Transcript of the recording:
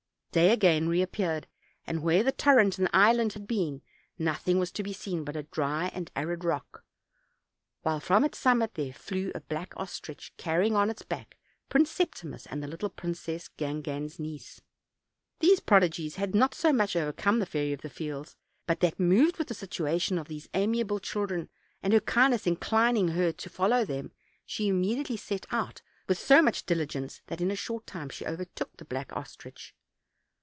Day again reap peared, and where the torrent and island had been, noth ing was to be seen but a dry and arid rock, while from its summit there flew a black ostrich, carrying on its back Prince Septimus and the little princess, Gangan's niece. These prodigies had not so much overcome the Fairy of the Fields, but that, moved with the situation of these amiable children and her kindness inclining her to follow them, she immediately set out with so much diligence that, in a short time, she overtook the black ostrich.